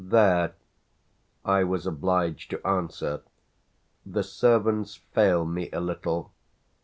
"There," I was obliged to answer, "the servants fail me a little.